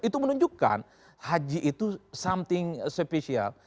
itu menunjukkan haji itu sesuatu yang spesial